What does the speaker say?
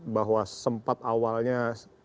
bahwa sempat awalnya